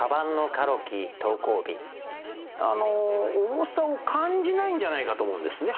重さを感じないんじゃないかと思うんですね。